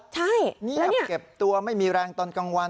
มาเห็นไม่เก็บตัว